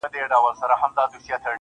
پايزېب به دركړمه د سترگو توره,